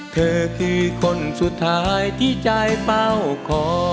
เธอคือคนสุดท้ายที่ใจเป้าคอ